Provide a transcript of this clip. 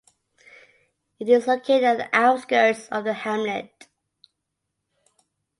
It is located on the outskirts of the hamlet.